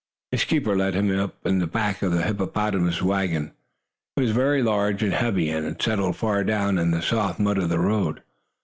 His keeper led him up in back of the hippopotamus wagon. It was very large and heavy, and had settled far down in the soft mud of the road.